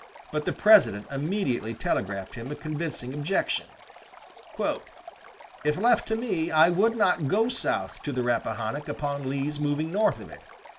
But the President immediately telegraphed him a convincing objection: "If left to me, I would not go south of the Rappahannock upon Lee's moving north of it.